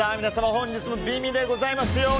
本日も美味でございますよ。